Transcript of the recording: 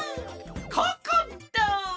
ココット！